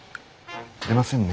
出ませんね。